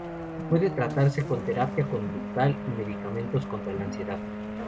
Puede tratarse con terapia conductual y medicamentos contra la ansiedad.